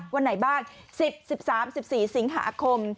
วันไหนบ้าง๑๐๑๓๑๔สิงหาคม